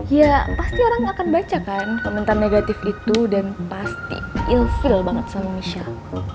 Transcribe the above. ya pasti orang akan baca kan komentar negatif itu dan pasti ilkill banget sama michelle